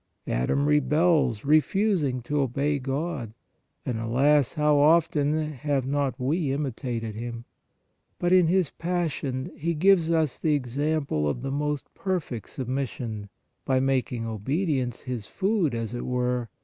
Adam rebels, refusing to obey God ; and, alas ! how often 190 PRAYER have not we imitated him ? But in His Passion He gives us the example of the most perfect submission, by making obedience His food, as it were (John 4.